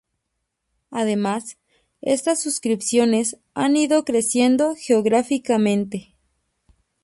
Además, estas suscripciones han ido creciendo geográficamente.